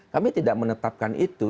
kami tidak menetapkan itu